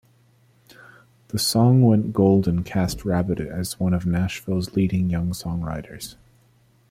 The song went gold and cast Rabbitt as one of Nashville's leading young songwriters.